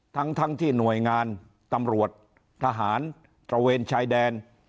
ทั้งที่หน่วยงานตำรวจทหารตระเวนชายแดน